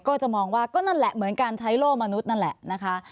ก็จะมองว่าก็นั่นแหละเหมือนการใช้โล่มนุษย์นั่นแหละนะคะ